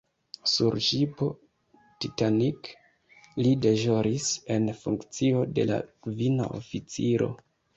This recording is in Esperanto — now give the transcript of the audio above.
Sur ŝipo "Titanic" li deĵoris en funkcio de la kvina oficiro.